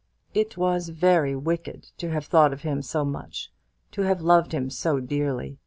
It was very wicked to have thought of him so much, to have loved him so dearly.